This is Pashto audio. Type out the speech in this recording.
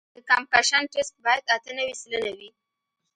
د کمپکشن ټسټ باید اته نوي سلنه وي